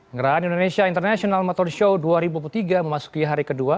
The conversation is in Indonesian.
ngerahan indonesia international motor show dua ribu dua puluh tiga memasuki hari kedua